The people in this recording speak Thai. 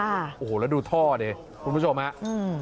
โอ้โหแล้วดูท่อดิคุณผู้ชมฮะอืม